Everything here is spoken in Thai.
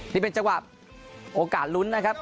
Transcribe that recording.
นี่เป็นจังหวับโอกาสรุน